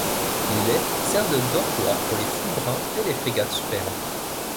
L'îlet sert de dortoir pour les fous bruns et les frégates superbes.